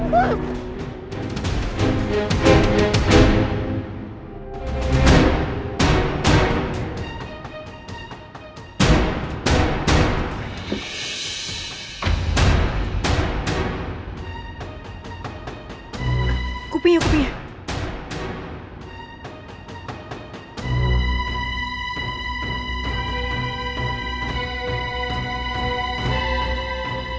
mbak lo ngeliat mereka gak